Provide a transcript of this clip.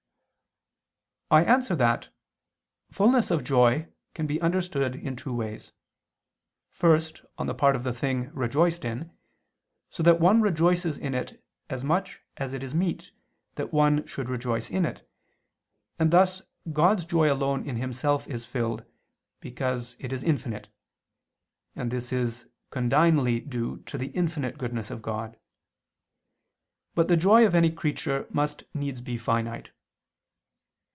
I answer that, Fulness of joy can be understood in two ways; first, on the part of the thing rejoiced in, so that one rejoice in it as much as it is meet that one should rejoice in it, and thus God's joy alone in Himself is filled, because it is infinite; and this is condignly due to the infinite goodness of God: but the joy of any creature must needs be finite.